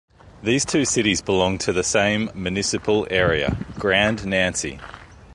These two cities belong to the same municipal area: Grand Nancy.